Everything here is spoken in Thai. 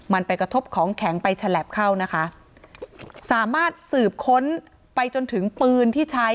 มันไปกระทบของแข็งไปฉลับเข้านะคะสามารถสืบค้นไปจนถึงปืนที่ใช้